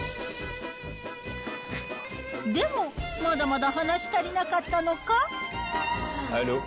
でも、まだまだ話し足りなかったのか。